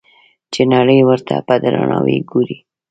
چې نړۍ ورته په درناوي ګوري.